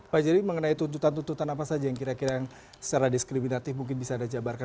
pak jadi mengenai tuntutan tuntutan apa saja yang kira kira secara diskriminatif mungkin bisa dijabarkan